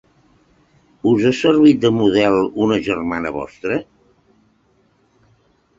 Us ha servit de model una germana vostra?